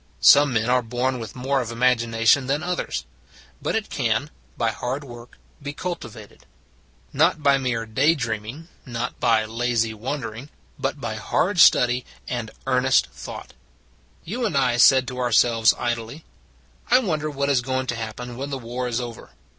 Some men are born with more of imag ination than others; but it can, by hard work, be cultivated. Not by mere day dreaming, not by lazy wondering, but by hard study and earnest thought. Men Who Cross Bridges 197 You and I said to ourselves idly: wonder what is going to happen when the war is over."